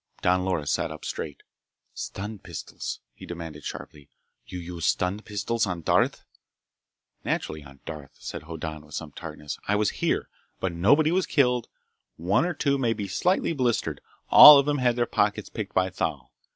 Don Loris sat up straight. "Stun pistols?" he demanded sharply. "You used stun pistols on Darth?" "Naturally on Darth," said Hoddan with some tartness. "I was here! But nobody was killed. One or two may be slightly blistered. All of them had their pockets picked by Thal.